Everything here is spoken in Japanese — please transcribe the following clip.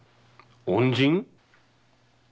恩人？